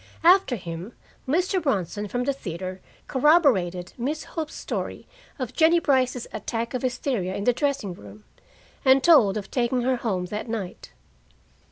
After him, Mr. Bronson from the theater corroborated Miss Hope's story of Jennie Brice's attack of hysteria in the dressing room, and told of taking her home that night.